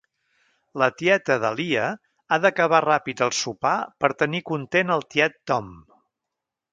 La tieta Dahlia ha d'acabar ràpid el sopar per tenir content el tiet Tom.